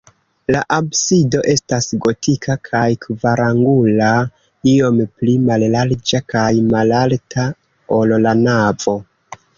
La absido estas gotika kaj kvarangula, iom pli mallarĝa kaj malalta, ol la navo.